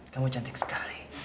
kamu cantik sekali